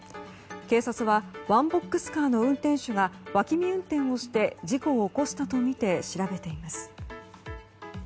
警察はワンボックスカーの運転手が脇見運転をして事故を起こしたとみて調べています。